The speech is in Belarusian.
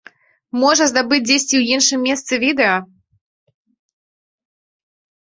Можа, здабыць дзесьці ў іншым месцы відэа.